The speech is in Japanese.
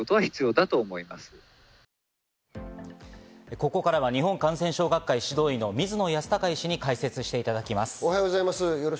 ここからは日本感染症学会・指導医の水野泰孝医師に解説していただきます。